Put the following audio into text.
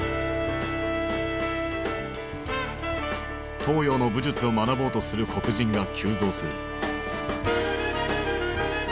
東洋の武術を学ぼうとする黒人が急増する。